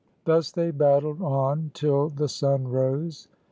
Thus they battled on till the sun rose.